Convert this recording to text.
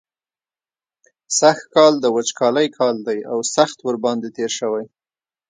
سږکال د وچکالۍ کال دی او سخت ورباندې تېر شوی.